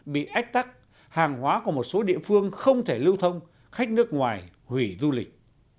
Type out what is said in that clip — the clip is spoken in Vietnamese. bị ách tắc hàng hóa của một số địa phương không thể lưu thông khách nước ngoài hủy du lịch